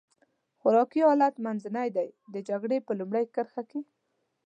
خوراکي حالت منځنی دی، د جګړې په لومړۍ کرښه کې.